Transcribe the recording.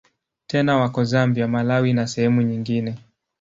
Tena wako Zambia, Malawi na sehemu nyingine.